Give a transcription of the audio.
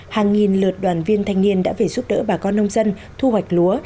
hàng nghìn lượt đoàn viên thanh niên đã về giúp đỡ bà con nông dân thu hoạch lúa